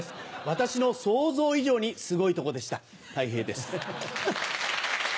私の想像以上にすごいとこでしたたい平です。